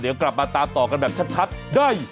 เดี๋ยวกลับมาตามต่อกันแบบชัดได้